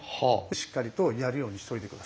しっかりとやるようにしておいて下さい。